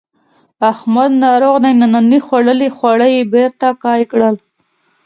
احمد ناروغ دی ننني خوړلي خواړه یې بېرته قی کړل.